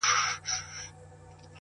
هر منزل د بل منزل لار هواروي!